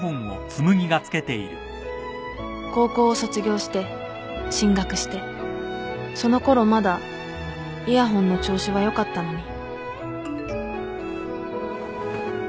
高校を卒業して進学してそのころまだイヤホンの調子は良かったのに